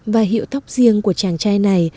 và hiệu tóc riêng của chàng trai này